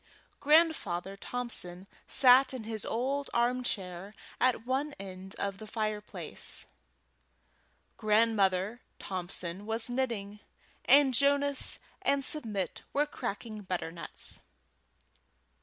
Grandfather Thompson sat in his old armchair at one corner of the fireplace, Grandmother Thompson was knitting, and Jonas and Submit were cracking butternuts.